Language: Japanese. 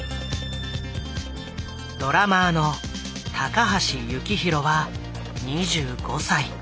ドラマーの高橋幸宏は２５歳。